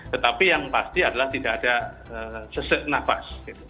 tetapi yang pasti adalah tidak ada sesak nafas